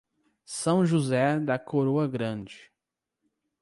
São José da Coroa Grande